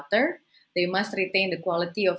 mereka harus mengembangkan kualitas